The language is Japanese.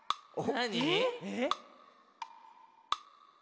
なに？